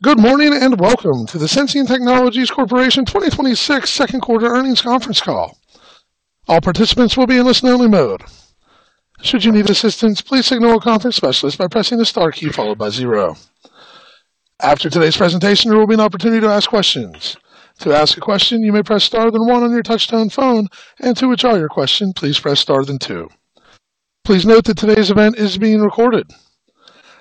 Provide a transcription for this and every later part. Good morning, welcome to the Sensient Technologies Corporation 2026 second quarter earnings conference call. All participants will be in listen only mode. Should you need assistance, please signal a conference specialist by pressing the star key followed by zero. After today's presentation, there will be an opportunity to ask questions. To ask a question, you may press star then one on your touchtone phone, and to withdraw your question, please press star then two. Please note that today's event is being recorded.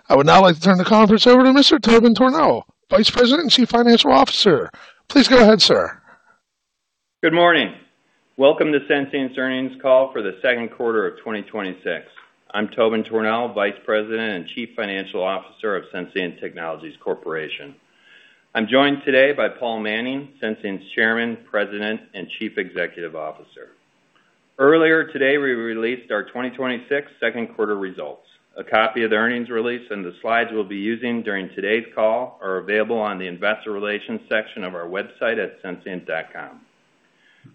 I would now like to turn the conference over to Mr. Tobin Tornehl, Vice President and Chief Financial Officer. Please go ahead, sir. Good morning. Welcome to Sensient's earnings call for the second quarter of 2026. I'm Tobin Tornehl, Vice President and Chief Financial Officer of Sensient Technologies Corporation. I'm joined today by Paul Manning, Sensient's Chairman, President, and Chief Executive Officer. Earlier today, we released our 2026 second quarter results. A copy of the earnings release and the slides we'll be using during today's call are available on the investor relations section of our website at sensient.com.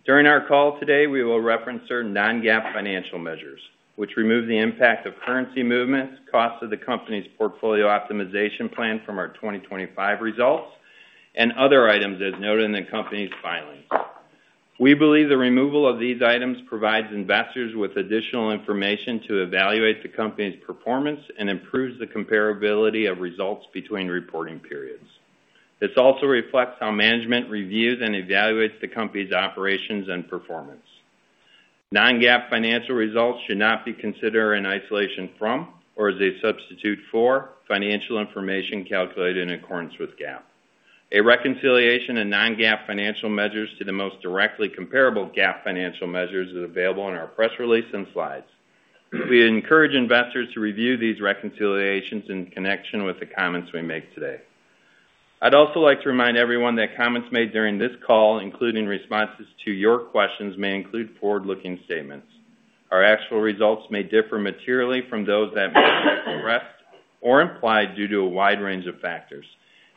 During our call today, we will reference certain non-GAAP financial measures, which remove the impact of currency movements, cost of the company's Portfolio Optimization Plan from our 2025 results, and other items as noted in the company's filings. We believe the removal of these items provides investors with additional information to evaluate the company's performance and improves the comparability of results between reporting periods. This also reflects how management reviews and evaluates the company's operations and performance. Non-GAAP financial results should not be considered in isolation from or as a substitute for financial information calculated in accordance with GAAP. A reconciliation of non-GAAP financial measures to the most directly comparable GAAP financial measures is available on our press release and slides. We encourage investors to review these reconciliations in connection with the comments we make today. I'd also like to remind everyone that comments made during this call, including responses to your questions, may include forward-looking statements. Our actual results may differ materially from those that rest or implied due to a wide range of factors,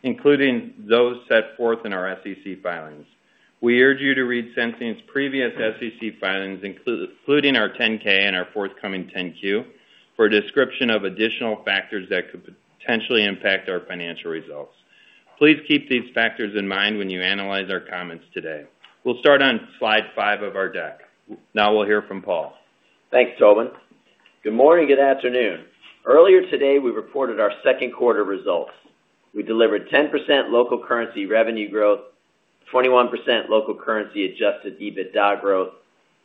including those set forth in our SEC filings. We urge you to read Sensient's previous SEC filings, including our 10-K and our forthcoming 10-Q for a description of additional factors that could potentially impact our financial results. Please keep these factors in mind when you analyze our comments today. We'll start on slide five of our deck. Now we'll hear from Paul. Thanks, Tobin. Good morning, good afternoon. Earlier today, we reported our second quarter results. We delivered 10% local currency revenue growth, 21% local currency adjusted EBITDA growth,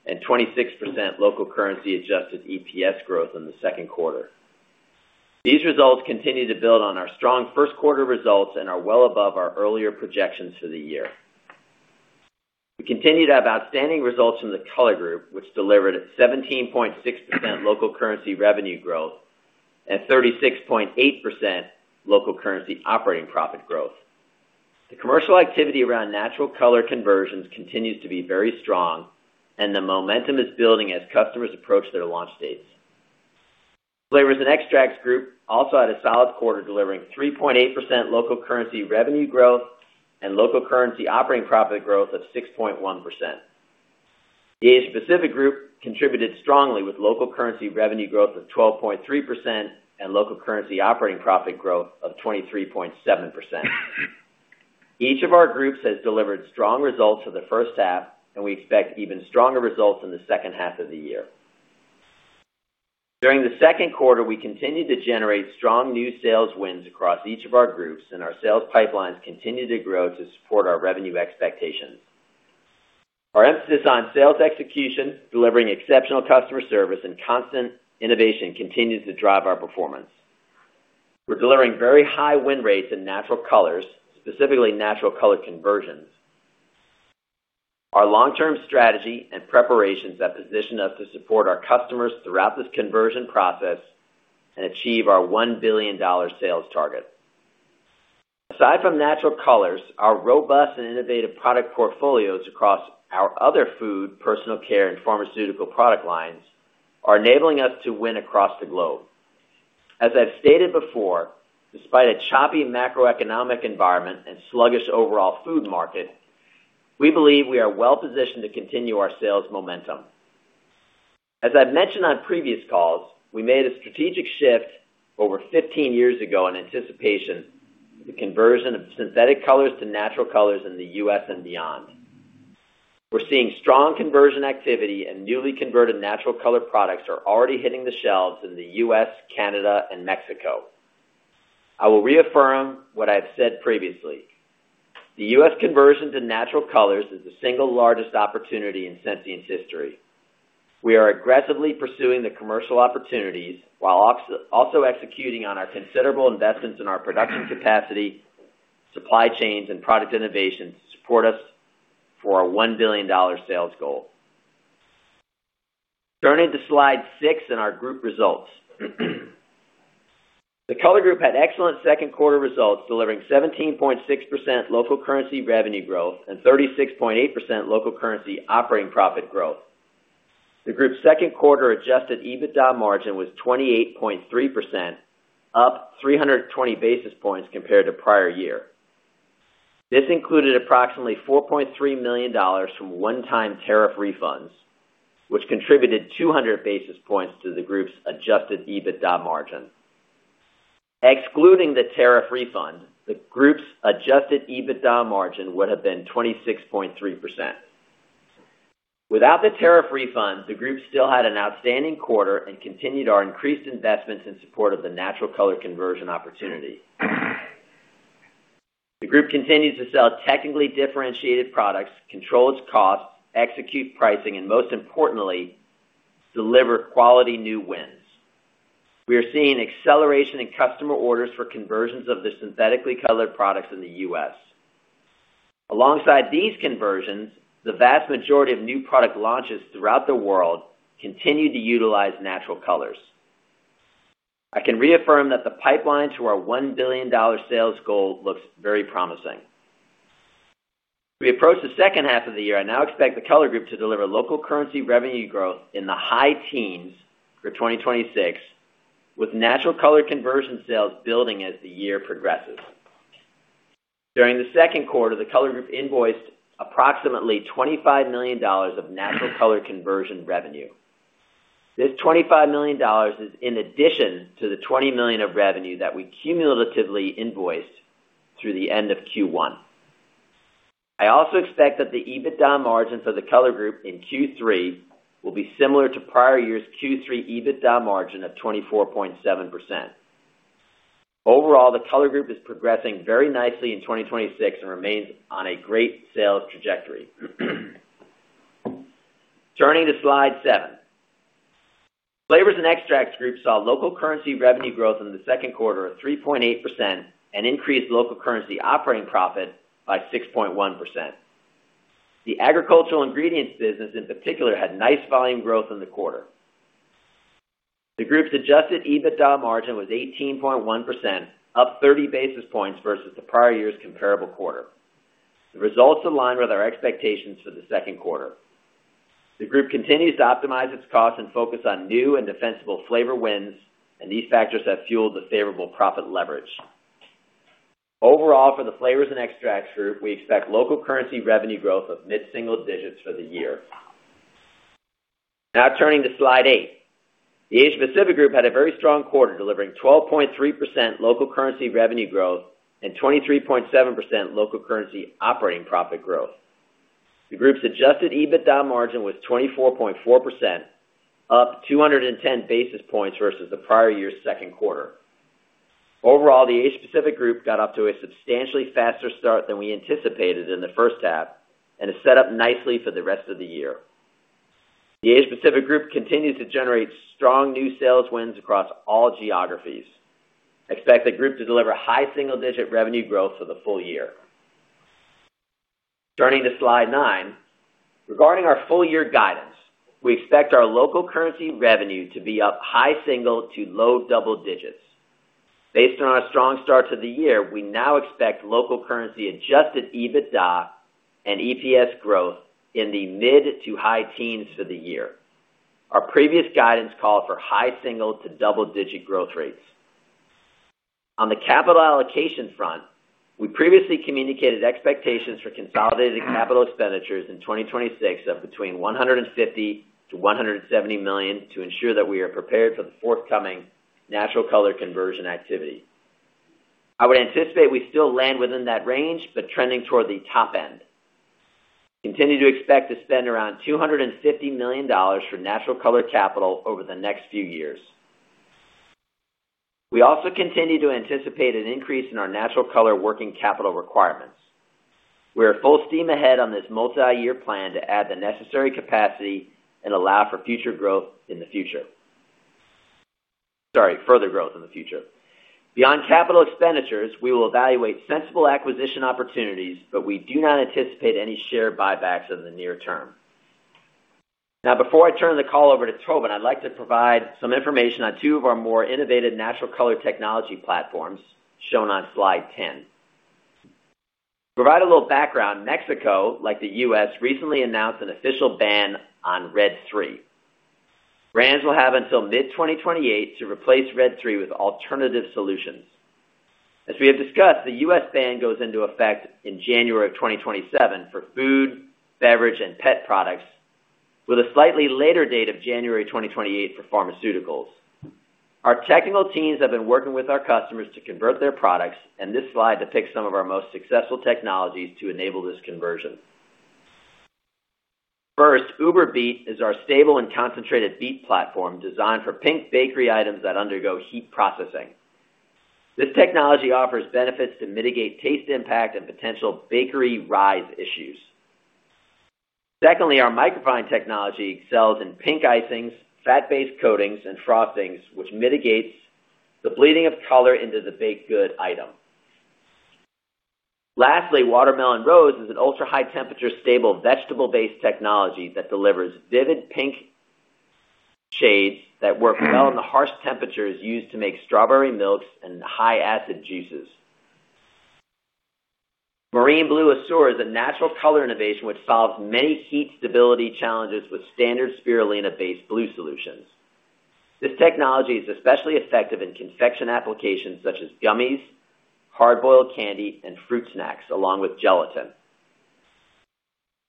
and 26% local currency adjusted EPS growth in the second quarter. These results continue to build on our strong first quarter results and are well above our earlier projections for the year. We continue to have outstanding results from the Color Group, which delivered a 17.6% local currency revenue growth and 36.8% local currency operating profit growth. The commercial activity around natural color conversions continues to be very strong and the momentum is building as customers approach their launch dates. Flavors & Extracts Group also had a solid quarter, delivering 3.8% local currency revenue growth and local currency operating profit growth of 6.1%. The Asia Pacific Group contributed strongly with local currency revenue growth of 12.3% and local currency operating profit growth of 23.7%. Each of our groups has delivered strong results for the first half, and we expect even stronger results in the second half of the year. During the second quarter, we continued to generate strong new sales wins across each of our groups, and our sales pipelines continue to grow to support our revenue expectations. Our emphasis on sales execution, delivering exceptional customer service, and constant innovation continues to drive our performance. We are delivering very high win rates in natural colors, specifically natural color conversions. Our long-term strategy and preparations that position us to support our customers throughout this conversion process and achieve our $1 billion sales target. Aside from natural colors, our robust and innovative product portfolios across our other food, personal care, and pharmaceutical product lines are enabling us to win across the globe. As I have stated before, despite a choppy macroeconomic environment and sluggish overall food market, we believe we are well-positioned to continue our sales momentum. As I have mentioned on previous calls, we made a strategic shift over 15 years ago in anticipation of the conversion of synthetic colors to natural colors in the U.S. and beyond. We are seeing strong conversion activity and newly converted natural color products are already hitting the shelves in the U.S., Canada, and Mexico. I will reaffirm what I have said previously. The U.S. conversion to natural colors is the single largest opportunity in Sensient's history. We are aggressively pursuing the commercial opportunities while also executing on our considerable investments in our production capacity, supply chains, and product innovations to support us for our $1 billion sales goal. Turning to slide six in our group results. The Color Group had excellent second quarter results, delivering 17.6% local currency revenue growth and 36.8% local currency operating profit growth. The group's second quarter adjusted EBITDA margin was 28.3%, up 320 basis points compared to prior year. This included approximately $4.3 million from one-time tariff refunds, which contributed 200 basis points to the group's adjusted EBITDA margin. Excluding the tariff refund, the group's adjusted EBITDA margin would have been 26.3%. Without the tariff refund, the group still had an outstanding quarter and continued our increased investments in support of the natural color conversion opportunity. The group continues to sell technically differentiated products, control its costs, execute pricing, and most importantly, deliver quality new wins. We are seeing acceleration in customer orders for conversions of the synthetically colored products in the U.S. Alongside these conversions, the vast majority of new product launches throughout the world continue to utilize natural colors. I can reaffirm that the pipeline to our $1 billion sales goal looks very promising. We approach the second half of the year and now expect the Color Group to deliver local currency revenue growth in the high teens for 2026, with natural color conversion sales building as the year progresses. During the second quarter, the Color Group invoiced approximately $25 million of natural color conversion revenue. This $25 million is in addition to the $20 million of revenue that we cumulatively invoiced through the end of Q1. I also expect that the EBITDA margins of the Color Group in Q3 will be similar to prior year's Q3 EBITDA margin of 24.7%. Overall, the Color Group is progressing very nicely in 2026 and remains on a great sales trajectory. Turning to slide seven. Flavors & Extracts Group saw local currency revenue growth in the second quarter of 3.8% and increased local currency operating profit by 6.1%. The agricultural ingredients business in particular had nice volume growth in the quarter. The group's adjusted EBITDA margin was 18.1%, up 30 basis points versus the prior year's comparable quarter. The results align with our expectations for the second quarter. The group continues to optimize its costs and focus on new and defensible flavor wins, and these factors have fueled the favorable profit leverage. Overall, for the Flavors & Extracts Group, we expect local currency revenue growth of mid-single digits for the year. Turning to slide eight. The Asia Pacific Group had a very strong quarter, delivering 12.3% local currency revenue growth and 23.7% local currency operating profit growth. The group's adjusted EBITDA margin was 24.4%, up 210 basis points versus the prior year's second quarter. Overall, the Asia Pacific Group got off to a substantially faster start than we anticipated in the first half and is set up nicely for the rest of the year. The Asia Pacific Group continues to generate strong new sales wins across all geographies. Expect the group to deliver high single-digit revenue growth for the full year. Turning to slide nine. Regarding our full year guidance, we expect our local currency revenue to be up high single to low double digits. Based on our strong start to the year, we now expect local currency adjusted EBITDA and EPS growth in the mid to high teens for the year. Our previous guidance called for high single to double-digit growth rates. On the capital allocation front, we previously communicated expectations for consolidated capital expenditures in 2026 of between $150 million to $170 million to ensure that we are prepared for the forthcoming natural color conversion activity. I would anticipate we still land within that range, but trending toward the top end. Continue to expect to spend around $250 million for natural color capital over the next few years. We also continue to anticipate an increase in our natural color working capital requirements. We are full steam ahead on this multi-year plan to add the necessary capacity and allow for further growth in the future. Beyond capital expenditures, we will evaluate sensible acquisition opportunities, but we do not anticipate any share buybacks in the near term. Before I turn the call over to Tobin, I'd like to provide some information on two of our more innovative natural color technology platforms shown on slide 10. Provide a little background. Mexico, like the U.S., recently announced an official ban on Red 3. Brands will have until mid-2028 to replace Red 3 with alternative solutions. As we have discussed, the U.S. ban goes into effect in January of 2027 for food, beverage, and pet products, with a slightly later date of January 2028 for pharmaceuticals. Our technical teams have been working with our customers to convert their products. This slide depicts some of our most successful technologies to enable this conversion. First, Uber Beet is our stable and concentrated beet platform designed for pink bakery items that undergo heat processing. This technology offers benefits to mitigate taste impact and potential bakery rise issues. Secondly, our Microfine technology excels in pink icings, fat-based coatings, and frostings, which mitigates the bleeding of color into the baked good item. Lastly, Watermelon-Rose is an ultra-high temperature stable vegetable-based technology that delivers vivid pink shades that work well in the harsh temperatures used to make strawberry milks and high acid juices. Marine Blue Azure is a natural color innovation which solves many heat stability challenges with standard spirulina-based blue solutions. This technology is especially effective in confection applications such as gummies, hard-boiled candy, and fruit snacks, along with gelatin.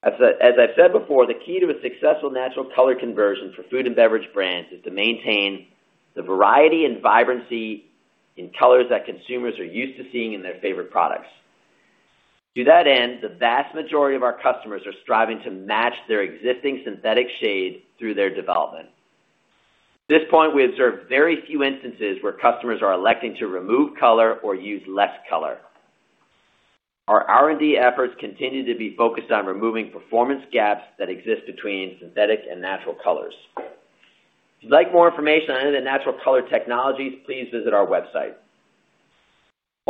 As I've said before, the key to a successful natural color conversion for food and beverage brands is to maintain the variety and vibrancy in colors that consumers are used to seeing in their favorite products. To that end, the vast majority of our customers are striving to match their existing synthetic shade through their development. At this point, we observe very few instances where customers are electing to remove color or use less color. Our R&D efforts continue to be focused on removing performance gaps that exist between synthetic and natural colors. If you'd like more information on any of the natural color technologies, please visit our website.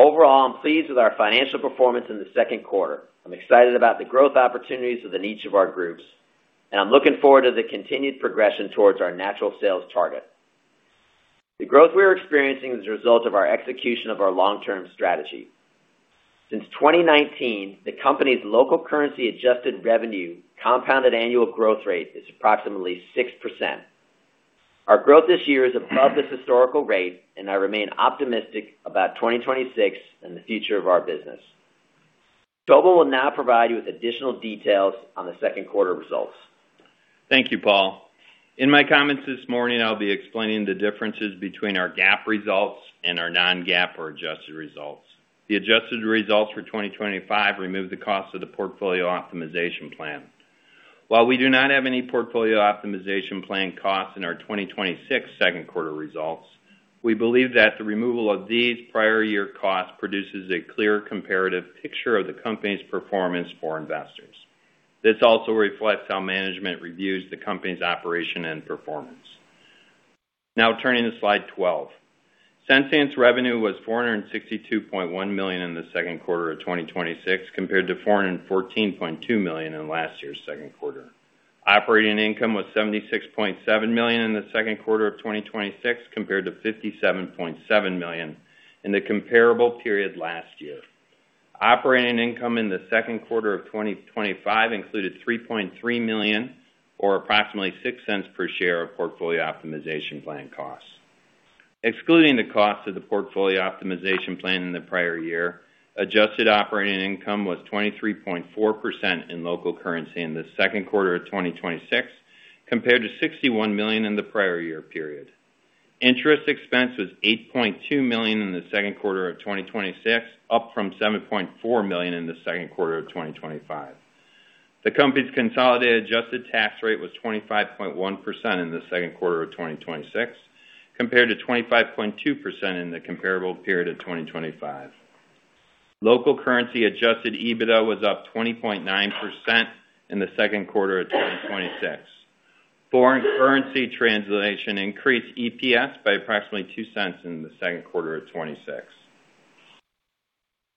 Overall, I'm pleased with our financial performance in the second quarter. I'm excited about the growth opportunities within each of our groups. I'm looking forward to the continued progression towards our natural sales target. The growth we're experiencing is a result of our execution of our long-term strategy. Since 2019, the company's local currency adjusted revenue compounded annual growth rate is approximately 6%. I remain optimistic about 2026 and the future of our business. Tobin will now provide you with additional details on the second quarter results. Thank you, Paul. In my comments this morning, I'll be explaining the differences between our GAAP results and our non-GAAP or adjusted results. The adjusted results for 2025 remove the cost of the Portfolio Optimization Plan. While we do not have any Portfolio Optimization Plan costs in our 2026 second quarter results, we believe that the removal of these prior year costs produces a clear comparative picture of the company's performance for investors. This also reflects how management reviews the company's operation and performance. Now turning to slide 12. Sensient's revenue was $462.1 million in the second quarter of 2026, compared to $414.2 million in last year's second quarter. Operating income was $76.7 million in the second quarter of 2026, compared to $57.7 million in the comparable period last year. Operating income in the second quarter of 2025 included $3.3 million or approximately $0.06 per share of Portfolio Optimization Plan costs. Excluding the cost of the Portfolio Optimization Plan in the prior year, adjusted operating income was 23.4% in local currency in the second quarter of 2026, compared to $61 million in the prior year period. Interest expense was $8.2 million in the second quarter of 2026, up from $7.4 million in the second quarter of 2025. The company's consolidated adjusted tax rate was 25.1% in the second quarter of 2026, compared to 25.2% in the comparable period of 2025. Local currency adjusted EBITDA was up 20.9% in the second quarter of 2026. Foreign currency translation increased EPS by approximately $0.02 in the second quarter of 2026.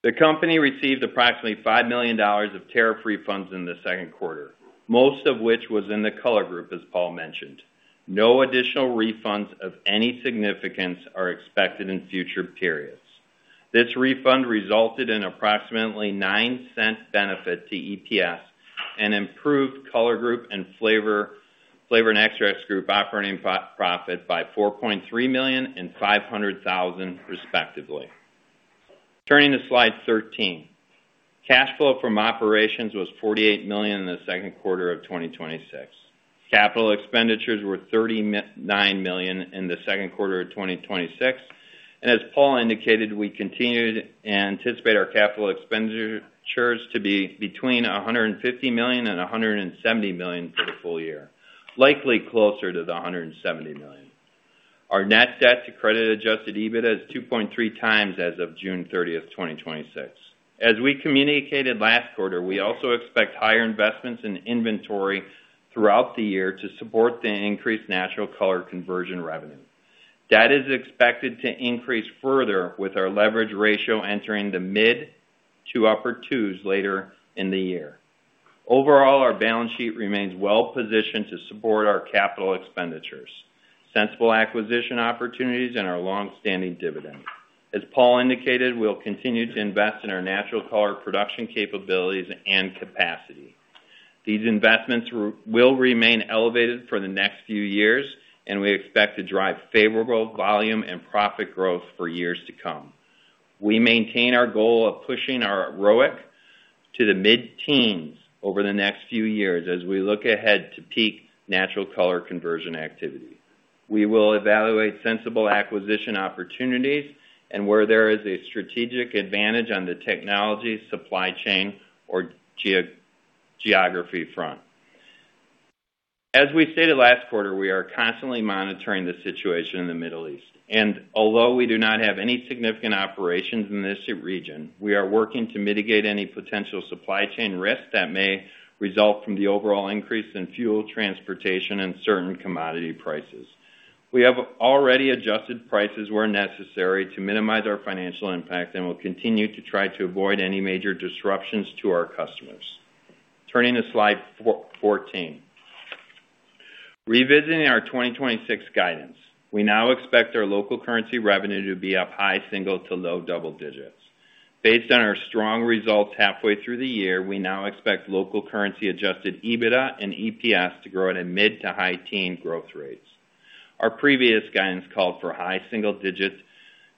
The company received approximately $5 million of tariff refunds in the second quarter, most of which was in the Color Group, as Paul mentioned. No additional refunds of any significance are expected in future periods. This refund resulted in approximately $0.09 benefit to EPS and improved Color Group and Flavors & Extracts Group operating profit by $4.3 million and $500,000 respectively. Turning to slide 13. Cash flow from operations was $48 million in the second quarter of 2026. Capital expenditures were $39 million in the second quarter of 2026. As Paul indicated, we continued and anticipate our capital expenditures to be between $150 million and $170 million for the full year, likely closer to the $170 million. Our net debt to credit adjusted EBITDA is 2.3 times as of June 30th, 2026. As we communicated last quarter, we also expect higher investments in inventory throughout the year to support the increased natural color conversion revenue. That is expected to increase further with our leverage ratio entering the mid to upper twos later in the year. Overall, our balance sheet remains well-positioned to support our capital expenditures, sensible acquisition opportunities, and our longstanding dividend. As Paul indicated, we'll continue to invest in our natural color production capabilities and capacity. These investments will remain elevated for the next few years, and we expect to drive favorable volume and profit growth for years to come. We maintain our goal of pushing our ROIC to the mid-teens over the next few years as we look ahead to peak natural color conversion activity. We will evaluate sensible acquisition opportunities and where there is a strategic advantage on the technology supply chain or geography front. As we stated last quarter, we are constantly monitoring the situation in the Middle East, and although we do not have any significant operations in this region, we are working to mitigate any potential supply chain risks that may result from the overall increase in fuel, transportation, and certain commodity prices. We have already adjusted prices where necessary to minimize our financial impact and will continue to try to avoid any major disruptions to our customers. Turning to slide 14. Revisiting our 2026 guidance, we now expect our local currency revenue to be up high single to low double digits. Based on our strong results halfway through the year, we now expect local currency adjusted EBITDA and EPS to grow at a mid to high teen growth rates. Our previous guidance called for high single digits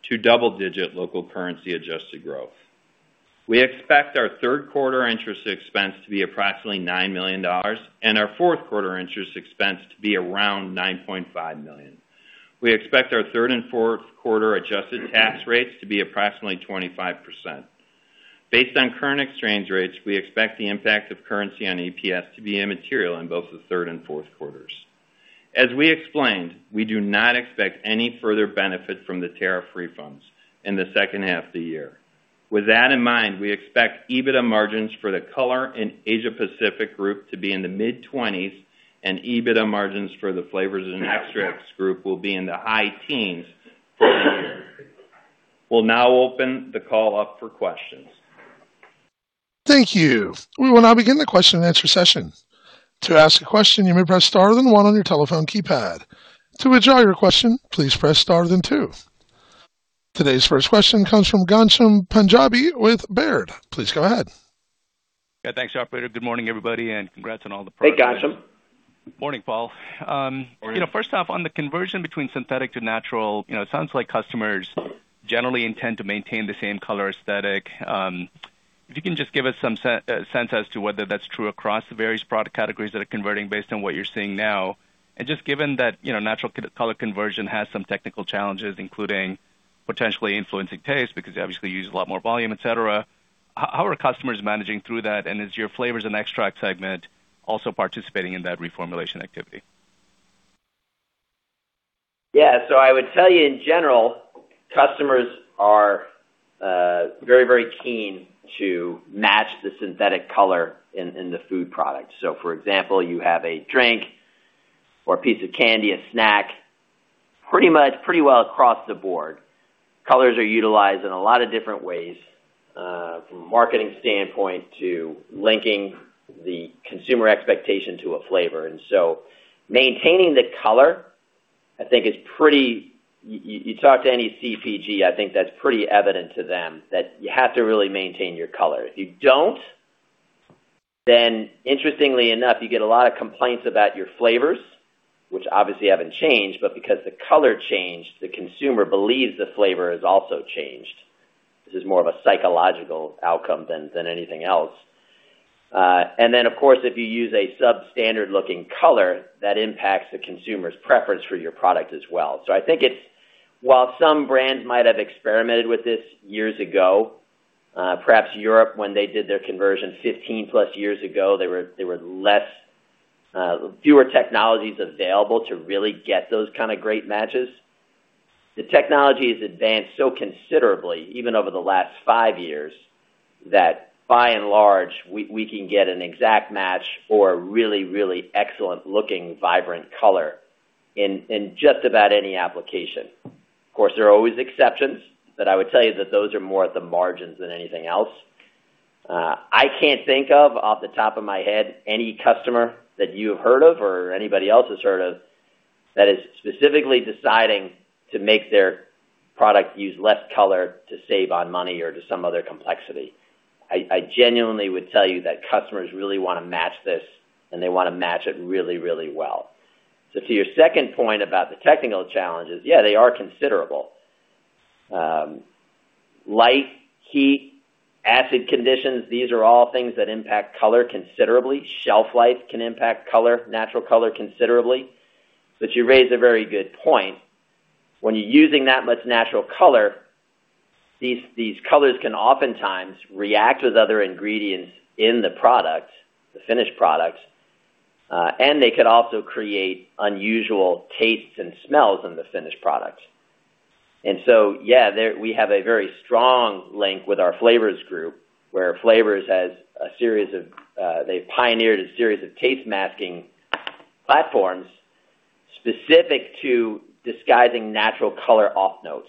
to double-digit local currency adjusted growth. We expect our third quarter interest expense to be approximately $9 million and our fourth quarter interest expense to be around $9.5 million. We expect our third and fourth quarter adjusted tax rates to be approximately 25%. Based on current exchange rates, we expect the impact of currency on EPS to be immaterial in both the third and fourth quarters. As we explained, we do not expect any further benefit from the tariff refunds in the second half of the year. With that in mind, we expect EBITDA margins for the Color Group in Asia Pacific Group to be in the mid-twenties and EBITDA margins for the Flavors & Extracts Group will be in the high teens for the year. We'll now open the call up for questions. Thank you. We will now begin the question and answer session. To ask a question, you may press star then one on your telephone keypad. To withdraw your question, please press star then two. Today's first question comes from Ghansham Panjabi with Baird. Please go ahead. Yeah, thanks, operator. Good morning, everybody, and congrats on all the progress. Hey, Ghansham. Morning, Paul. Morning. First off, on the conversion between synthetic to natural, it sounds like customers generally intend to maintain the same color aesthetic. If you can just give us some sense as to whether that's true across the various product categories that are converting based on what you're seeing now. Just given that natural color conversion has some technical challenges, including potentially influencing taste, because you obviously use a lot more volume, et cetera. How are customers managing through that, and is your Flavors & Extracts Group also participating in that reformulation activity? Yeah. I would tell you in general, customers are very keen to match the synthetic color in the food product. For example, you have a drink or a piece of candy, a snack, pretty much pretty well across the board. Colors are utilized in a lot of different ways, from marketing standpoint to linking the consumer expectation to a flavor. Maintaining the color, you talk to any CPG, I think that's pretty evident to them that you have to really maintain your color. If you don't, then interestingly enough, you get a lot of complaints about your flavors, which obviously haven't changed, but because the color changed, the consumer believes the flavor has also changed. This is more of a psychological outcome than anything else. Of course, if you use a substandard looking color, that impacts the consumer's preference for your product as well. I think while some brands might have experimented with this years ago, perhaps Europe when they did their conversion 15+ years ago, there were fewer technologies available to really get those kind of great matches. The technology has advanced so considerably, even over the last five years, that by and large, we can get an exact match or a really excellent looking vibrant color in just about any application. There are always exceptions, but I would tell you that those are more at the margins than anything else. I can't think of, off the top of my head, any customer that you have heard of or anybody else has heard of that is specifically deciding to make their product use less color to save on money or to some other complexity. I genuinely would tell you that customers really want to match this, and they want to match it really well. To your second point about the technical challenges, they are considerable. Light, heat, acid conditions, these are all things that impact color considerably. Shelf life can impact natural color considerably. You raise a very good point. When you're using that much natural color, these colors can oftentimes react with other ingredients in the product, the finished product, and they could also create unusual tastes and smells in the finished product. We have a very strong link with our Flavors Group, where flavors, they've pioneered a series of taste masking platforms specific to disguising natural color off-notes.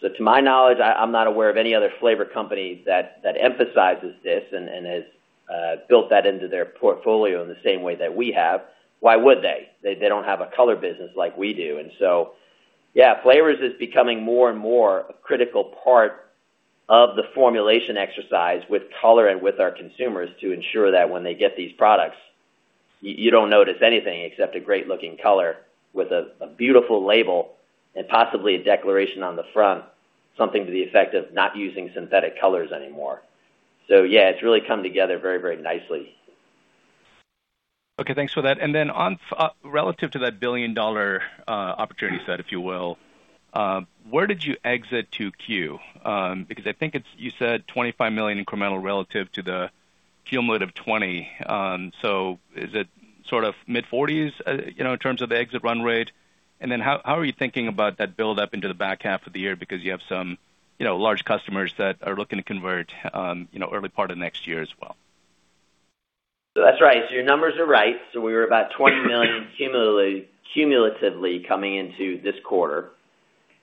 To my knowledge, I'm not aware of any other flavor company that emphasizes this and has built that into their portfolio in the same way that we have. Why would they? They don't have a Color business like we do. Flavors is becoming more and more a critical part of the formulation exercise with color and with our consumers to ensure that when they get these products, you don't notice anything except a great looking color with a beautiful label and possibly a declaration on the front, something to the effect of not using synthetic colors anymore. It's really come together very nicely. Thanks for that. Relative to that billion-dollar opportunity set, if you will, where did you exit 2Q? I think you said $25 million incremental relative to the cumulative $20 million. Is it sort of mid-$40 million in terms of the exit run rate? How are you thinking about that build up into the back half of the year? You have some large customers that are looking to convert early part of next year as well. That's right. Your numbers are right. We were about $20 million cumulatively coming into this quarter.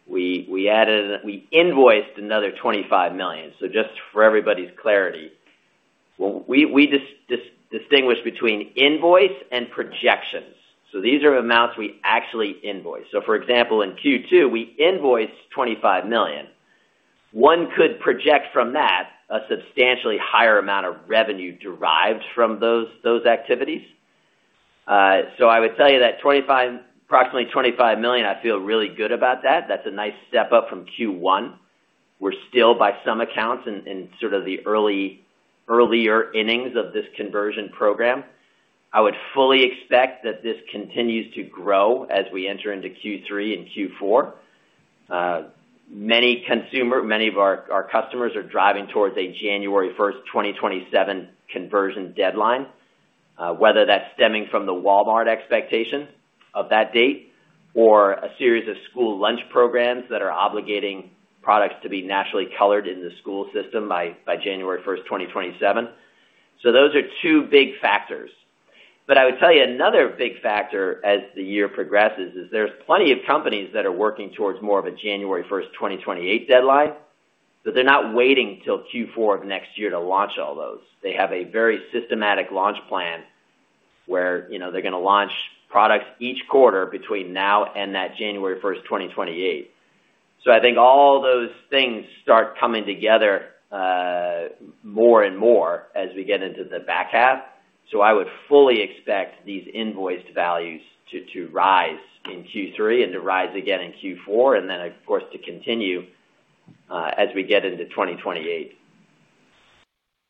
We invoiced another $25 million. Just for everybody's clarity. Well, we distinguish between invoice and projections. These are amounts we actually invoice. For example, in Q2, we invoiced $25 million. One could project from that a substantially higher amount of revenue derived from those activities. I would tell you that approximately $25 million, I feel really good about that. That's a nice step up from Q1. We're still by some accounts in sort of the earlier innings of this conversion program. I would fully expect that this continues to grow as we enter into Q3 and Q4. Many of our customers are driving towards a January 1st, 2027 conversion deadline. Whether that's stemming from the Walmart expectation of that date or a series of school lunch programs that are obligating products to be naturally colored in the school system by January 1st, 2027. Those are two big factors. I would tell you another big factor as the year progresses is there's plenty of companies that are working towards more of a January 1st, 2028 deadline, but they're not waiting till Q4 of next year to launch all those. They have a very systematic launch plan where they're going to launch products each quarter between now and that January 1st, 2028. I think all those things start coming together more and more as we get into the back half. I would fully expect these invoiced values to rise in Q3 and to rise again in Q4, and then, of course, to continue as we get into 2028.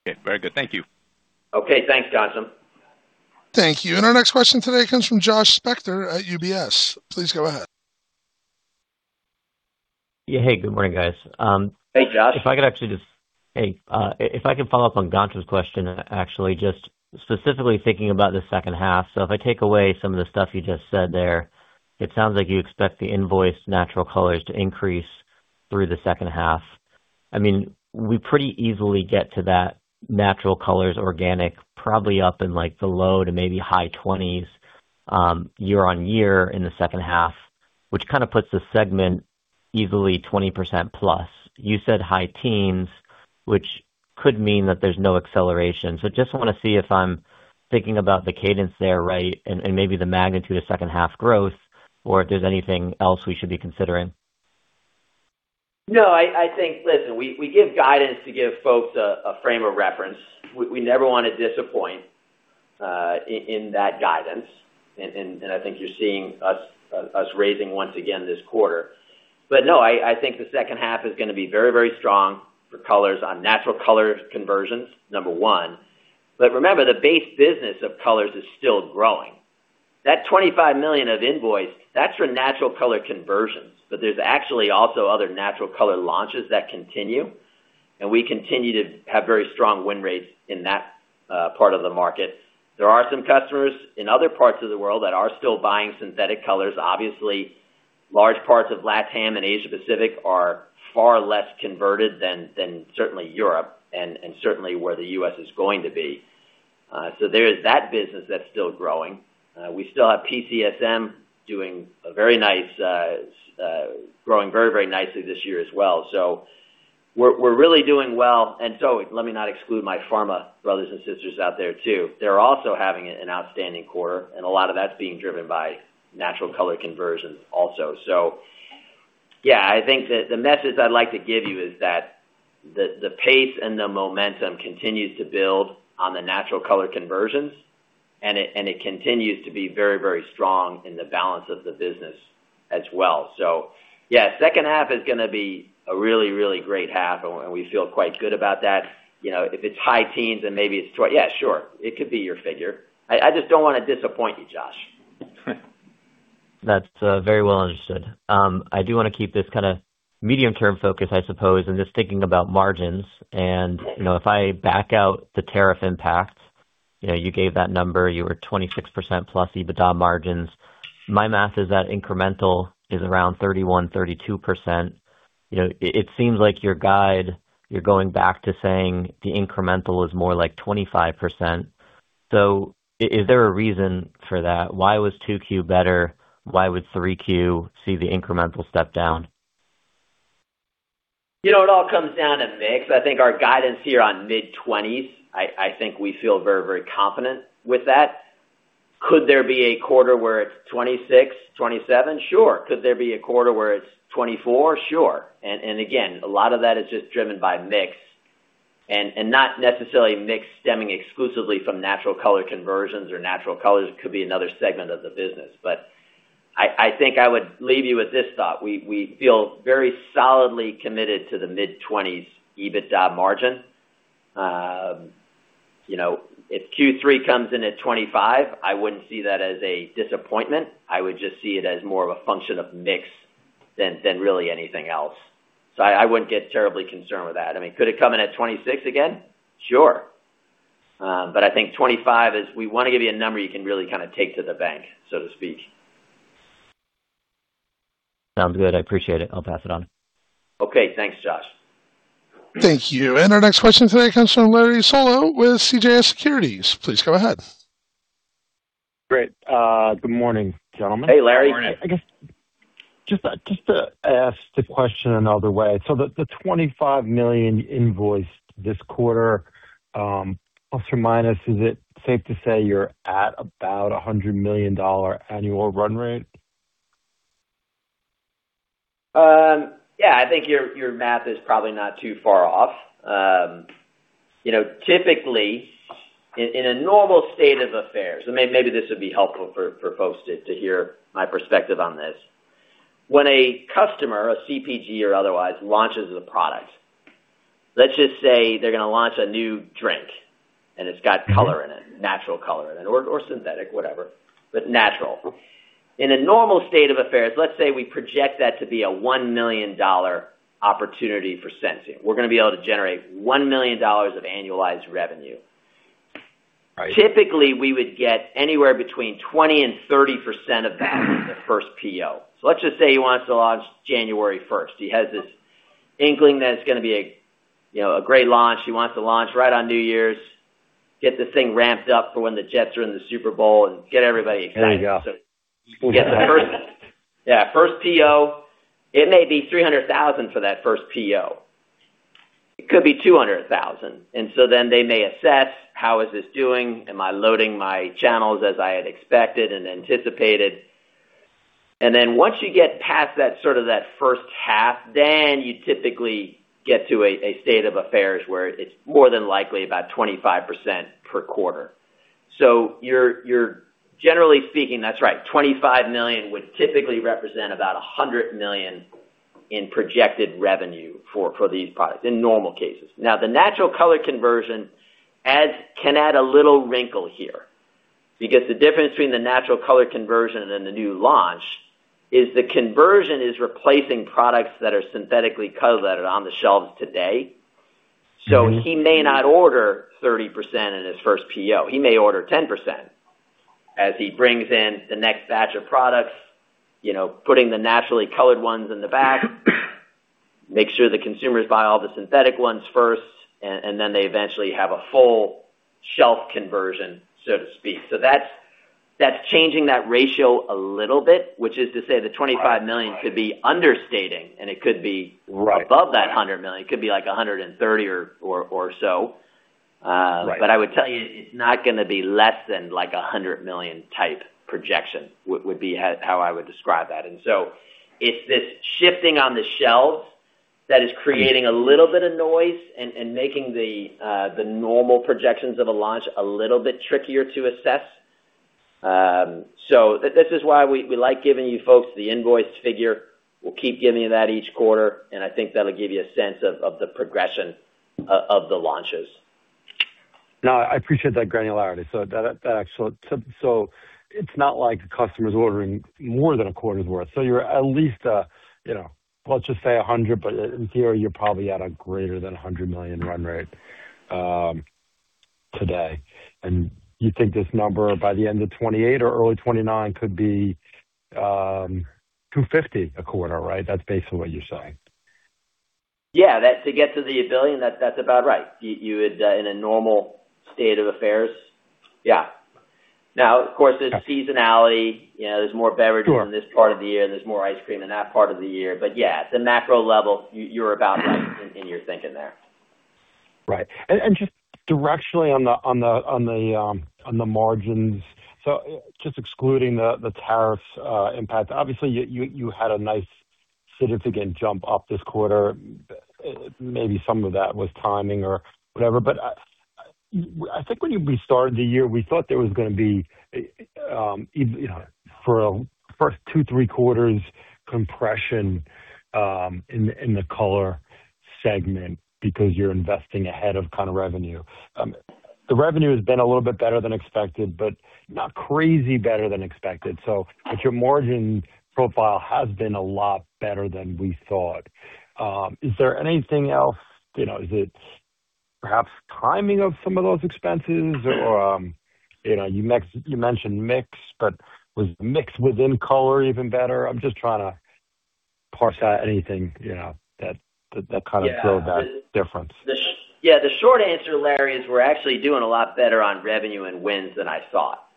Okay. Very good. Thank you. Okay. Thanks, Ghansham. Thank you. Our next question today comes from Josh Spector at UBS. Please go ahead. Yeah. Hey, good morning, guys. Hey, Josh. If I could follow up on Ghansham's question, actually, just specifically thinking about the second half. If I take away some of the stuff you just said there, it sounds like you expect the invoice natural colors to increase through the second half. We pretty easily get to that natural colors organic probably up in like the low to maybe high 20s year-over-year in the second half, which kind of puts the segment easily 20%+. You said high teens, which could mean that there's no acceleration. Just want to see if I'm thinking about the cadence there right and maybe the magnitude of second half growth or if there's anything else we should be considering. I think, listen, we give guidance to give folks a frame of reference. We never want to disappoint in that guidance, I think you're seeing us raising once again this quarter. I think the second half is going to be very, very strong for colors on natural colors conversions, number one. Remember, the base business of colors is still growing. That $25 million of invoice, that's for natural color conversions, but there's actually also other natural color launches that continue, and we continue to have very strong win rates in that part of the market. There are some customers in other parts of the world that are still buying synthetic colors. Obviously, large parts of LATAM and Asia-Pacific are far less converted than certainly Europe and certainly where the U.S. is going to be. There is that business that's still growing. We still have PTSM growing very, very nicely this year as well. We're really doing well. Let me not exclude my pharma brothers and sisters out there, too. They're also having an outstanding quarter, and a lot of that's being driven by natural color conversions also. I think that the message I'd like to give you is that the pace and the momentum continues to build on the natural color conversions, and it continues to be very, very strong in the balance of the business as well. Second half is going to be a really, really great half, and we feel quite good about that. If it's high teens, then maybe it's 20. Yeah, sure. It could be your figure. I just don't want to disappoint you, Josh. That's very well understood. I do want to keep this kind of medium-term focus, I suppose, and just thinking about margins. If I back out the tariff impact, you gave that number, you were 26%+ EBITDA margins. My math is that incremental is around 31%-32%. It seems like your guide, you're going back to saying the incremental is more like 25%. Is there a reason for that? Why was 2Q better? Why would 3Q see the incremental step down? It all comes down to mix. I think our guidance here on mid-20s, I think we feel very, very confident with that. Could there be a quarter where it's 26, 27? Sure. Could there be a quarter where it's 24? Sure. Again, a lot of that is just driven by mix, not necessarily mix stemming exclusively from natural color conversions or natural colors. It could be another segment of the business. I think I would leave you with this thought. We feel very solidly committed to the mid-20s EBITDA margin. If Q3 comes in at 25, I wouldn't see that as a disappointment. I would just see it as more of a function of mix than really anything else. I wouldn't get terribly concerned with that. Could it come in at 26 again? Sure. I think 25 is we want to give you a number you can really kind of take to the bank, so to speak. Sounds good. I appreciate it. I'll pass it on. Okay. Thanks, Josh. Thank you. Our next question today comes from Larry Solow with CJS Securities. Please go ahead. Great. Good morning, gentlemen. Hey, Larry. Morning. I guess, just to ask the question another way. The $25 million invoiced this quarter, ±, is it safe to say you're at about $100 million annual run rate? Yeah, I think your math is probably not too far off. Typically, in a normal state of affairs, maybe this would be helpful for folks to hear my perspective on this. When a customer, a CPG or otherwise, launches a product, let's just say they're going to launch a new drink and it's got color in it, natural color in it, or synthetic, whatever, but natural. In a normal state of affairs, let's say we project that to be a $1 million opportunity for Sensient. We're going to be able to generate $1 million of annualized revenue. Right. Typically, we would get anywhere between 20%-30% of that in the first PO. Let's just say he wants to launch January 1st. He has this inkling that it's going to be a great launch. He wants to launch right on New Year's, get this thing ramped up for when the Jets are in the Super Bowl and get everybody excited. There you go. Yeah, first PO, it may be $300,000 for that first PO. It could be $200,000. They may assess, how is this doing? Am I loading my channels as I had expected and anticipated? Once you get past that first half, then you typically get to a state of affairs where it's more than likely about 25% per quarter. You're generally speaking, that's right, $25 million would typically represent about $100 million in projected revenue for these products in normal cases. Now, the natural color conversion can add a little wrinkle here, because the difference between the natural color conversion and the new launch is the conversion is replacing products that are synthetically colored that are on the shelves today. He may not order 30% in his first PO. He may order 10%. As he brings in the next batch of products, putting the naturally colored ones in the back, make sure the consumers buy all the synthetic ones first, and then they eventually have a full shelf conversion, so to speak. That's changing that ratio a little bit, which is to say the $25 million could be understating, and it could be above that $100 million. It could be like $130 million or so. Right. I would tell you, it's not going to be less than a $100 million type projection, would be how I would describe that. It's this shifting on the shelves that is creating a little bit of noise and making the normal projections of a launch a little bit trickier to assess. This is why we like giving you folks the invoiced figure. We'll keep giving you that each quarter, and I think that'll give you a sense of the progression of the launches. No, I appreciate that granularity. It's not like the customer's ordering more than a quarter's worth. You're at least, let's just say $100 million, but in theory, you're probably at a greater than $100 million run rate today. You think this number by the end of 2028 or early 2029 could be $250 million a quarter, right? That's basically what you're saying. Yeah. To get to the $1 billion, that's about right. In a normal state of affairs, yeah. Of course, there's seasonality. There's more beverage in this part of the year, there's more ice cream in that part of the year. Yeah, at the macro level, you're about right in your thinking there. Right. Just directionally on the margins. Just excluding the tariffs impact, obviously, you had a nice significant jump up this quarter. Maybe some of that was timing or whatever. I think when we started the year, we thought there was going to be, for a first two, three quarters compression in the Color Group segment because you're investing ahead of revenue. The revenue has been a little bit better than expected, but not crazy better than expected. Your margin profile has been a lot better than we thought. Is there anything else? Is it perhaps timing of some of those expenses? You mentioned mix, but was mix within Color Group even better? I'm just trying to parse out anything that kind of drove that difference. Yeah. The short answer, Larry, is we're actually doing a lot better on revenue and wins than I thought.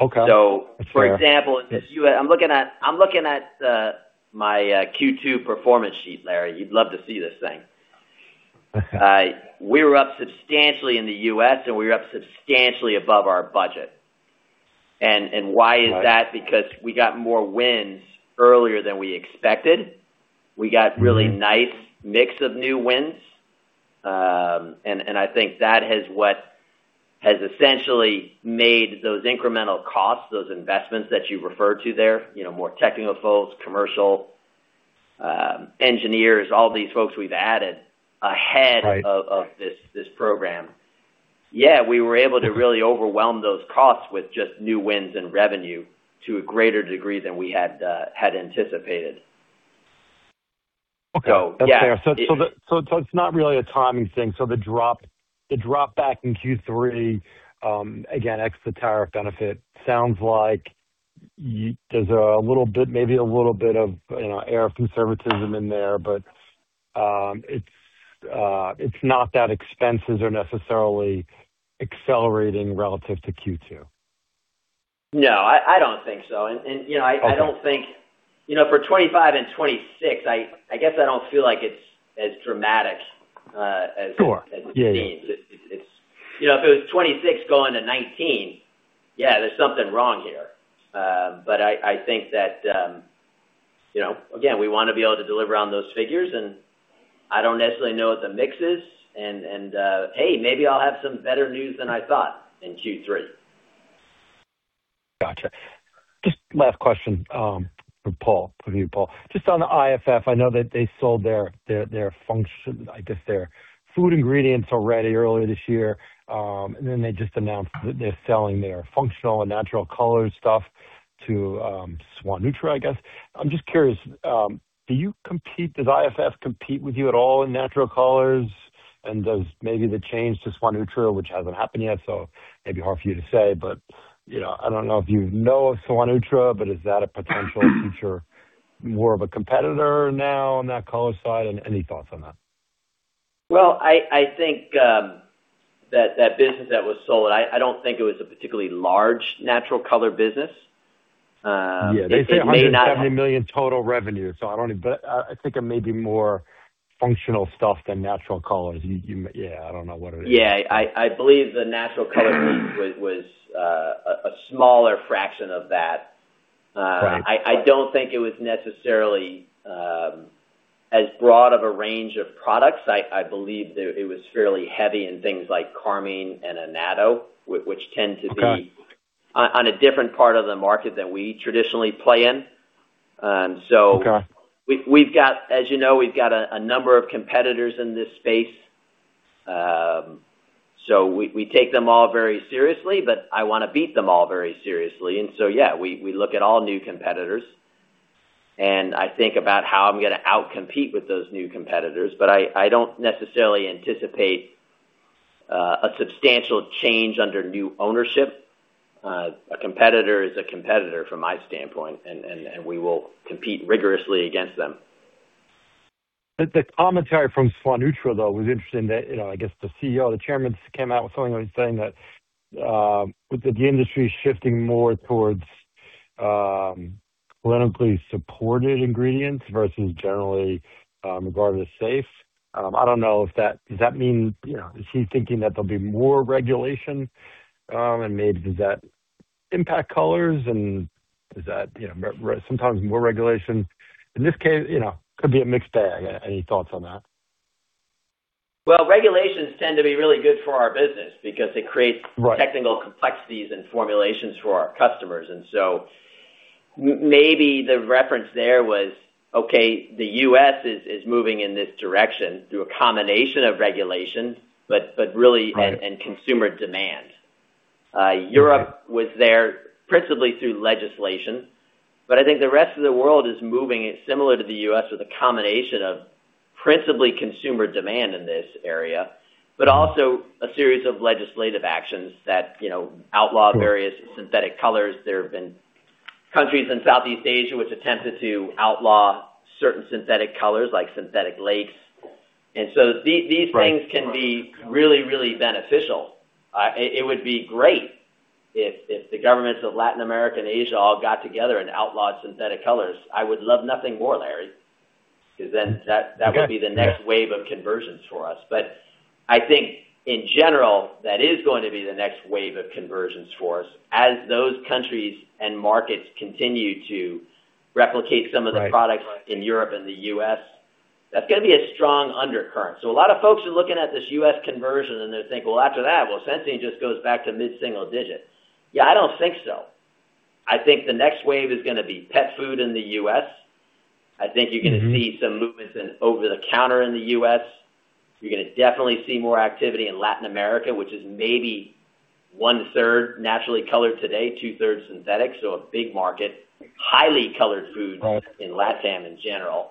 Okay. For example, I'm looking at my Q2 performance sheet, Larry. You'd love to see this thing. We were up substantially in the U.S., and we were up substantially above our budget. Why is that? Because we got more wins earlier than we expected. We got really nice mix of new wins. I think that is what has essentially made those incremental costs, those investments that you referred to there, more technical folks, commercial engineers, all these folks we've added ahead of this program. Yeah, we were able to really overwhelm those costs with just new wins and revenue to a greater degree than we had anticipated. Okay. That's fair. It's not really a timing thing. The drop back in Q3, again, ex the tariff benefit, sounds like there's maybe a little bit of air of conservatism in there, but it's not that expenses are necessarily accelerating relative to Q2. No, I don't think so. Okay. For 2025 and 2026, I guess I don't feel like it's as dramatic as it seems. Sure. Yeah. If it was 2026 going to 2019, yeah, there's something wrong here. I think that, again, we want to be able to deliver on those figures, and I don't necessarily know what the mix is. Hey, maybe I'll have some better news than I thought in Q3. Got you. Last question from Paul, for you, Paul. On the IFF, I know that they sold, I guess, their food ingredients already earlier this year. They just announced that they're selling their functional and natural color stuff to SuanNutra, I guess. I'm just curious, does IFF compete with you at all in natural colors? Does maybe the change to SuanNutra, which hasn't happened yet, so maybe hard for you to say. I don't know if you know of SuanNutra, but is that a potential future more of a competitor now on that color side? Any thoughts on that? Well, I think that business that was sold, I don't think it was a particularly large natural color business. Yeah. They say $170 million total revenue. I think it may be more functional stuff than natural colors. Yeah, I don't know what it is. Yeah. I believe the natural color piece was a smaller fraction of that. Right. I don't think it was necessarily as broad of a range of products. I believe that it was fairly heavy in things like carmine and annatto. Okay. On a different part of the market than we traditionally play in. Okay. As you know, we've got a number of competitors in this space. We take them all very seriously, but I want to beat them all very seriously. Yeah, we look at all new competitors, and I think about how I'm going to outcompete with those new competitors. I don't necessarily anticipate a substantial change under new ownership. A competitor is a competitor from my standpoint, and we will compete rigorously against them. The commentary from SwanNutra, though, was interesting that I guess the CEO or the Chairman came out with something saying that with the industry shifting more towards clinically supported ingredients versus generally regarded as safe. I don't know, is he thinking that there'll be more regulation, and maybe does that impact colors and sometimes more regulation? In this case, could be a mixed bag. Any thoughts on that? Well, regulations tend to be really good for our business because they create- Right. Technical complexities and formulations for our customers. Maybe the reference there was, okay, the U.S. is moving in this direction through a combination of regulations, but really- Right. and consumer demand. Europe was there principally through legislation, but I think the rest of the world is moving. It's similar to the U.S. with a combination of principally consumer demand in this area, but also a series of legislative actions that outlaw various synthetic colors. There have been countries in Southeast Asia which attempted to outlaw certain synthetic colors like synthetic lakes. These things can be really, really beneficial. It would be great if the governments of Latin America and Asia all got together and outlawed synthetic colors. I would love nothing more, Larry, because then that would be the next wave of conversions for us. I think in general, that is going to be the next wave of conversions for us as those countries and markets continue to replicate some of the products in Europe and the U.S. That's going to be a strong undercurrent. A lot of folks are looking at this U.S. conversion and they think, "Well, after that, well, Sensient just goes back to mid-single digits." Yeah, I don't think so. I think the next wave is going to be pet food in the U.S. I think you're going to see some movements in over-the-counter in the U.S. You're going to definitely see more activity in Latin America, which is maybe 1/3 naturally colored today, 2/3 synthetic, so a big market. Highly colored food in LatAm in general.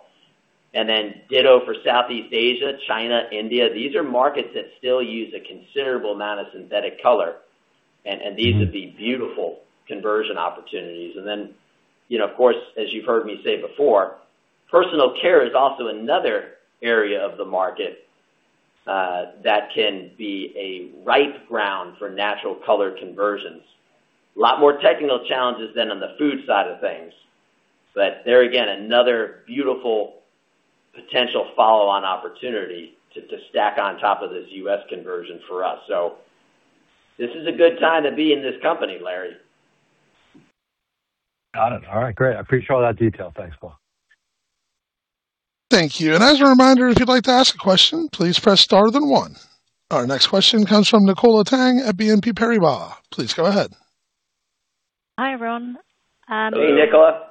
Ditto for Southeast Asia, China, India. These are markets that still use a considerable amount of synthetic color, and these would be beautiful conversion opportunities. Of course, as you've heard me say before, personal care is also another area of the market that can be a ripe ground for natural color conversions. A lot more technical challenges than on the food side of things. There again, another beautiful potential follow-on opportunity to stack on top of this U.S. conversion for us. This is a good time to be in this company, Larry. Got it. All right, great. I appreciate all that detail. Thanks, Paul. Thank you. As a reminder, if you'd like to ask a question, please press star then one. Our next question comes from Nicola Tang at BNP Paribas. Please go ahead. Hi, everyone. Hey, Nicola. Hey.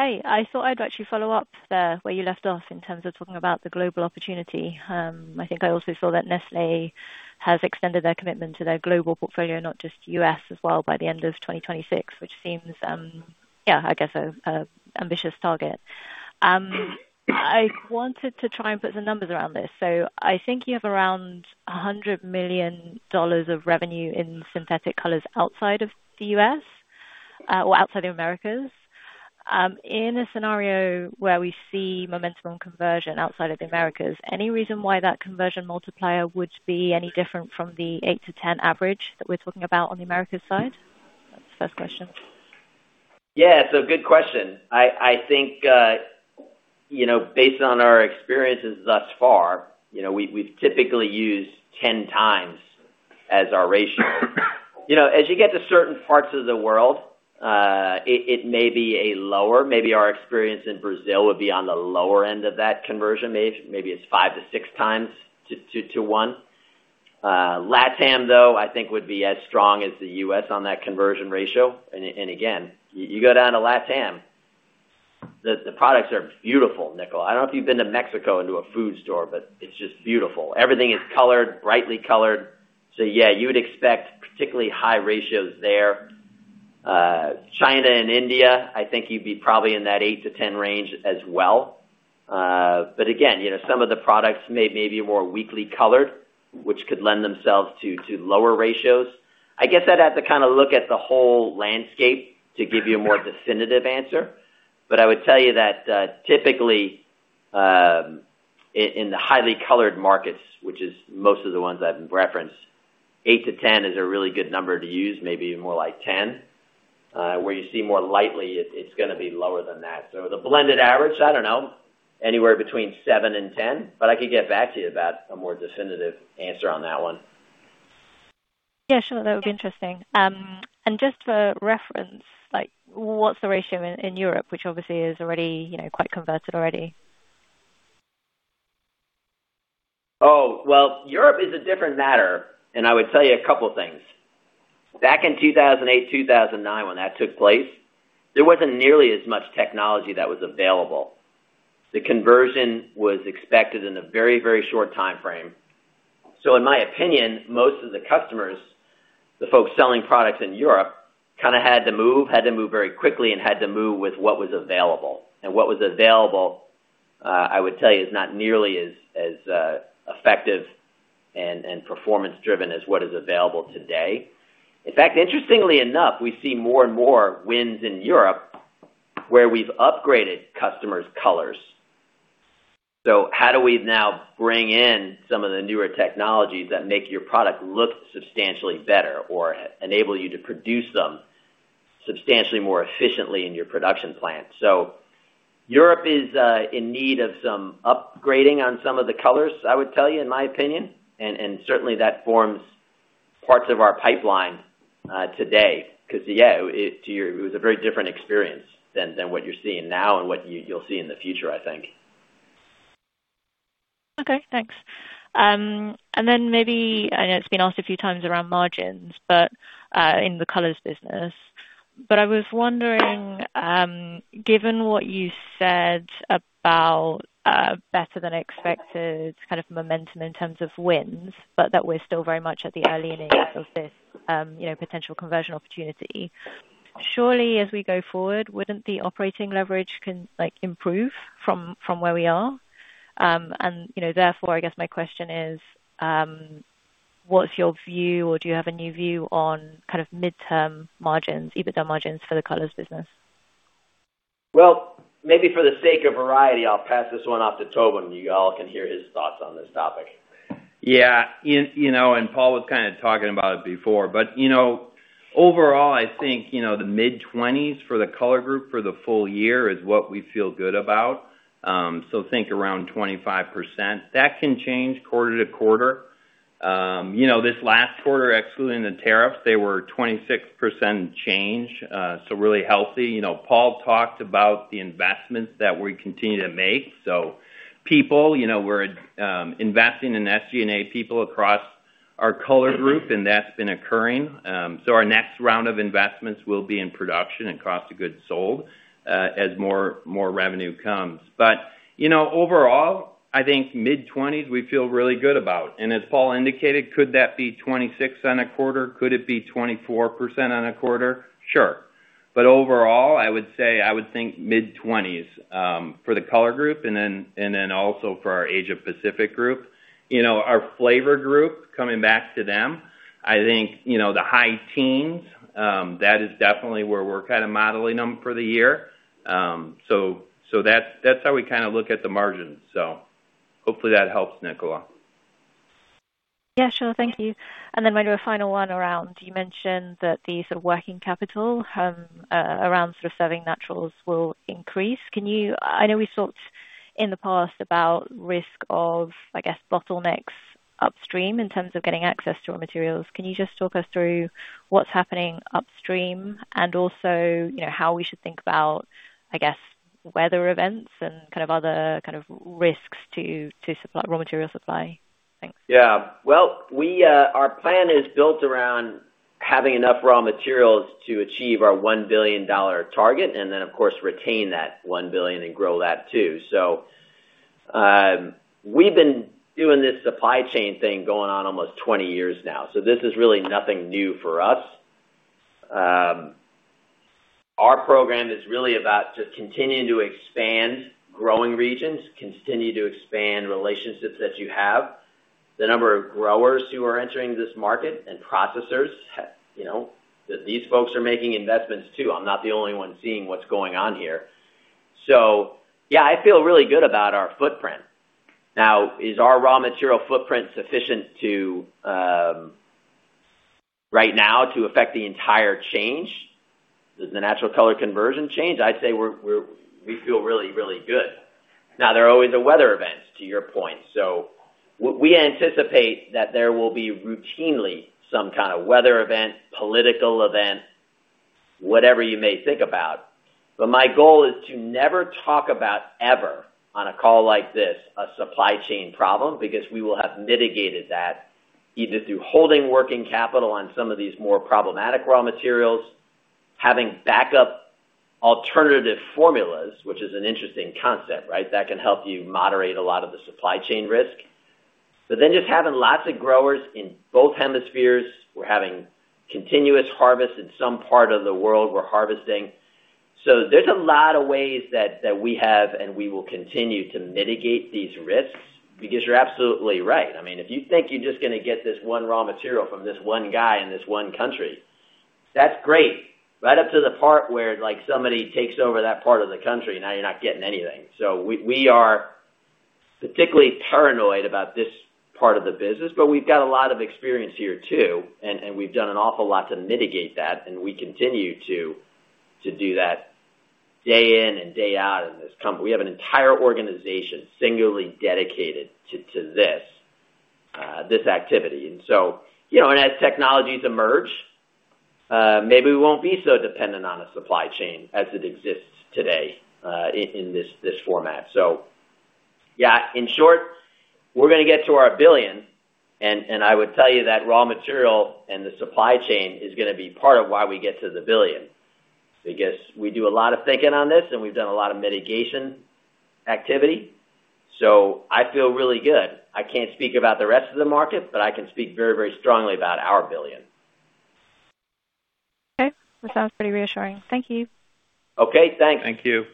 I thought I'd actually follow up where you left off in terms of talking about the global opportunity. I think I also saw that Nestlé has extended their commitment to their global portfolio, not just U.S. as well, by the end of 2026, which seems, I guess, an ambitious target. I wanted to try and put some numbers around this. I think you have around $100 million of revenue in synthetic colors outside of the U.S., or outside of Americas. In a scenario where we see momentum conversion outside of the Americas, any reason why that conversion multiplier would be any different from the eight to 10 average that we're talking about on the Americas side? That's the first question. Yeah. It's a good question. I think, based on our experiences thus far, we've typically used 10 times as our ratio. As you get to certain parts of the world, it may be a lower. Maybe our experience in Brazil would be on the lower end of that conversion. Maybe it's five to six times to one. LATAM, though, I think would be as strong as the U.S. on that conversion ratio. Again, you go down to LATAM, the products are beautiful, Nicola. I don't know if you've been to Mexico into a food store, but it's just beautiful. Everything is colored, brightly colored. Yeah, you would expect particularly high ratios there. China and India, I think you'd be probably in that eight to 10 range as well. Again, some of the products may be more weakly colored, which could lend themselves to lower ratios. I guess I'd have to kind of look at the whole landscape to give you a more definitive answer. I would tell you that, typically, in the highly colored markets, which is most of the ones I've referenced, eight to 10 is a really good number to use, maybe even more like 10. Where you see more lightly, it's gonna be lower than that. The blended average, I don't know, anywhere between seven and 10, but I could get back to you about a more definitive answer on that one. Just for reference, what's the ratio in Europe, which obviously is already quite converted already? Well, Europe is a different matter. I would tell you a couple of things. Back in 2008, 2009 when that took place, there wasn't nearly as much technology that was available. The conversion was expected in a very short timeframe. In my opinion, most of the customers, the folks selling products in Europe kind of had to move very quickly and had to move with what was available. What was available, I would tell you, is not nearly as effective and performance driven as what is available today. In fact, interestingly enough, we see more and more wins in Europe where we've upgraded customers' colors. How do we now bring in some of the newer technologies that make your product look substantially better or enable you to produce them substantially more efficiently in your production plant? Europe is in need of some upgrading on some of the colors, I would tell you, in my opinion. Certainly that forms parts of our pipeline today because, yeah, it was a very different experience than what you're seeing now and what you'll see in the future, I think. Okay, thanks. Then maybe, I know it's been asked a few times around margins, but in the colors business. I was wondering, given what you said about better than expected kind of momentum in terms of wins, but that we're still very much at the early innings of this potential conversion opportunity. Surely as we go forward, wouldn't the operating leverage improve from where we are? Therefore I guess my question is, what's your view or do you have a new view on kind of midterm margins, EBITDA margins for the colors business? Maybe for the sake of variety, I'll pass this one off to Tobin. You all can hear his thoughts on this topic. Paul was kind of talking about it before, but overall, I think, the mid-20s for the Color Group for the full year is what we feel good about. Think around 25%. That can change quarter-to-quarter. This last quarter, excluding the tariffs, they were 26% change, so really healthy. Paul talked about the investments that we continue to make. People, we're investing in SG&A people across our Color Group, and that's been occurring. Our next round of investments will be in production and cost of goods sold, as more revenue comes. Overall, I think mid-20s we feel really good about. As Paul indicated, could that be 26% on a quarter? Could it be 24% on a quarter? Sure. Overall, I would say, I would think mid-20s, for the Color Group and then also for our Asia Pacific Group. Our Flavor Group, coming back to them, I think, the high-teens, that is definitely where we're kind of modeling them for the year. That's how we kind of look at the margins. Hopefully that helps Nicola. Yeah, sure. Thank you. Then maybe a final one around, you mentioned that the sort of working capital around sort of serving naturals will increase. I know we've talked in the past about risk of, I guess, bottlenecks upstream in terms of getting access to raw materials. Can you just talk us through what's happening upstream and also, how we should think about, I guess, weather events and kind of other kind of risks to raw material supply? Thanks. Our plan is built around having enough raw materials to achieve our $1 billion target and then, of course, retain that $1 billion and grow that too. We've been doing this supply chain thing going on almost 20 years now, this is really nothing new for us. Our program is really about to continuing to expand growing regions, continuing to expand relationships that you have. The number of growers who are entering this market, and processors, these folks are making investments too. I'm not the only one seeing what's going on here. I feel really good about our footprint. Is our raw material footprint sufficient right now to affect the entire change? Does the natural color conversion change? I'd say we feel really, really good. There are always the weather events, to your point. We anticipate that there will be routinely some kind of weather event, political event, whatever you may think about. My goal is to never talk about, ever, on a call like this, a supply chain problem, because we will have mitigated that either through holding working capital on some of these more problematic raw materials, having backup alternative formulas, which is an interesting concept, right? That can help you moderate a lot of the supply chain risk. Just having lots of growers in both hemispheres. We're having continuous harvest. In some part of the world, we're harvesting. There's a lot of ways that we have, and we will continue to mitigate these risks, because you're absolutely right. If you think you're just going to get this one raw material from this one guy in this one country, that's great, right up to the part where somebody takes over that part of the country. You're not getting anything. We are particularly paranoid about this part of the business, but we've got a lot of experience here, too, and we've done an awful lot to mitigate that, and we continue to do that day in and day out in this company. We have an entire organization singularly dedicated to this activity. As technologies emerge, maybe we won't be so dependent on a supply chain as it exists today in this format. In short, we're going to get to our billion, I would tell you that raw material and the supply chain is going to be part of why we get to the billion. We do a lot of thinking on this, we've done a lot of mitigation activity. I feel really good. I can't speak about the rest of the market, but I can speak very, very strongly about our billion. Okay. That sounds pretty reassuring. Thank you. Okay, thanks. Thank you.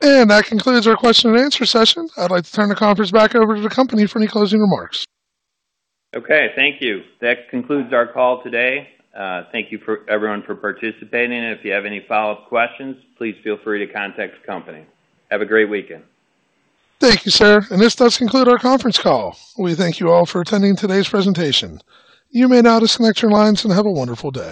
That concludes our question and answer session. I'd like to turn the conference back over to the company for any closing remarks. Okay, thank you. That concludes our call today. Thank you, everyone, for participating, and if you have any follow-up questions, please feel free to contact the company. Have a great weekend. Thank you, sir. This does conclude our conference call. We thank you all for attending today's presentation. You may now disconnect your lines, and have a wonderful day.